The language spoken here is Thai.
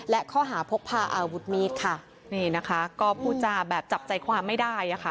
และข้อหาพกพาอาวุธมีดค่ะนี่นะคะก็พูดจาแบบจับใจความไม่ได้อ่ะค่ะ